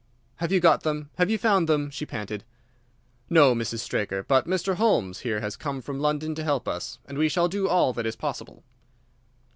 "Have you got them? Have you found them?" she panted. "No, Mrs. Straker. But Mr. Holmes here has come from London to help us, and we shall do all that is possible."